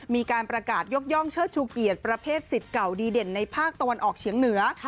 มีการประกาศยกย่องเชิดชูเกียรติประเภทสิทธิ์เก่าดีเด่นในภาคตะวันออกเฉียงเหนือ